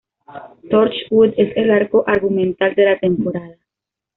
Torchwood es el arco argumental de la temporada.